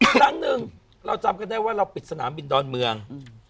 ครั้งหนึ่งเราจำกันได้ว่าเราปิดสนามบินดอนเมือง